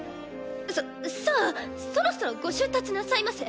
ささあそろそろご出立なさいませ。